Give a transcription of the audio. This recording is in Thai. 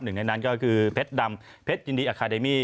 หนึ่งในนั้นก็คือเพชรดำเพชรยินดีอาคาเดมี่